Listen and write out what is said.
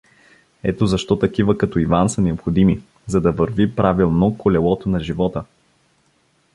Ето защо такива като Иван са необходими, за да върви правилно колелото на живота.